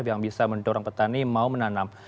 yang bisa mendorong petani mau menanam